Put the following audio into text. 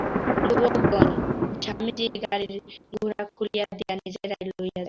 যুবকগণ স্বামীজীর গাড়ির ঘোড়া খুলিয়া দিয়া নিজেরাই লইয়া যায়।